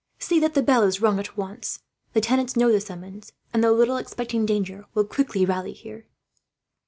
See that the bell is rung at once. The tenants know the summons and, though little expecting danger, will quickly rally here."